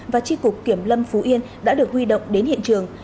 và tri cục kiểm lâm phú yên đã được huy động đến hiện trường